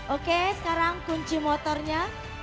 oke sekarang kunci motornya